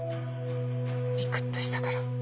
ビクっとしたから。